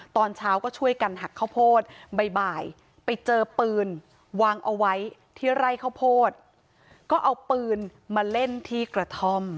ตอนเช้าก็ช่วยกันหักข้าวโพดบ่ายไปเจอปืนวางเอาไว้ที่ไร่ข้าวโพดก็เอาปืนมาเล่นที่กระท่อม